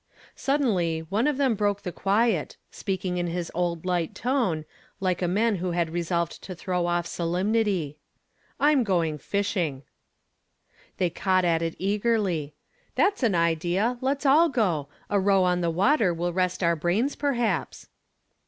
° Suddenly one of them broke the quiet, speak mg in his old light tone, like a man who had r^ solved to throw off solemnity. " I'm going fishing !" They caught at it eagerly, u That's an ide^; et s all go. A row on the water will rest our brains perhaps."